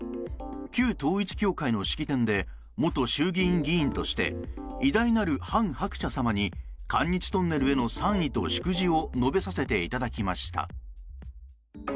旧統一教会の式典で元衆議院議員として偉大なるハン・ハクチャ様に韓日トンネルへの賛意と祝辞を述べさせていただきました！